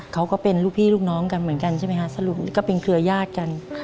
เขาก็เป็นพี่ลูกน้องนั้นใช่มั้ยคะใส่เรื่องแหว่ยาศกัน